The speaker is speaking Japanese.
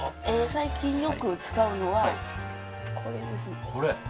最近よく使うのはこれですね。